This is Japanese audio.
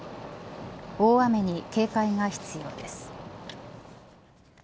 大雨に警戒が必要です。